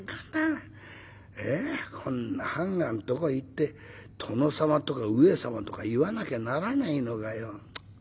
こんな判官とこ行って殿様とか上様とか言わなきゃならないのかよ。